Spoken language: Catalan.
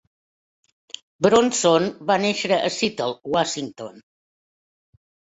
Bronson va néixer a Seattle, Washington.